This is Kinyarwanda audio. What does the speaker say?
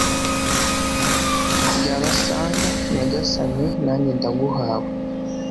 y'abasanga nyagasani, nanjye ndaguhawe